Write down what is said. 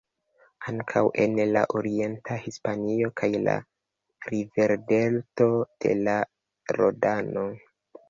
Ankaŭ en la orienta Hispanio kaj la riverdelto de la Rodano.